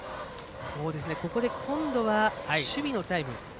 ここで今度は守備のタイム。